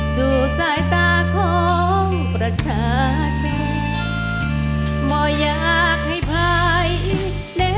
สู่สายตาของประชาชนบ่อยากให้ภาย